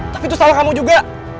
tapi itu salah kamu juga